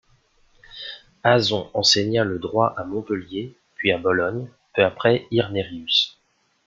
Azon enseigna le droit à Montpellier, puis à Bologne, peu après Irnerius.